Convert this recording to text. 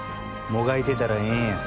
もがいてたらええんや。